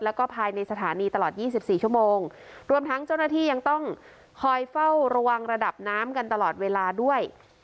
แล้วก็ภายในสถานีตลอด๒๔ชั่วโมงรวมทั้งเจ้าหน้าที่ยังต้องคอยเฝ้าระวังระดับน้ำกันตลอดเวลาด้วย